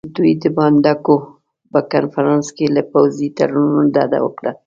دوی د باندونک په کنفرانس کې له پوځي تړونونو ډډه وکړه.